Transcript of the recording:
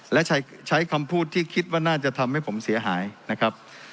และใช้คำพูดที่คิดว่าน่าจะทำให้ผมเสียหายนะครับ